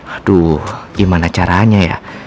aduh gimana caranya ya